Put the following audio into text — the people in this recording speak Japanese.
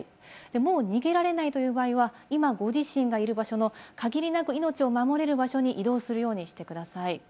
もう逃げられないという場合は、今ご自身がいる場所の限りなく命を守れる場所に移動するようにしてください。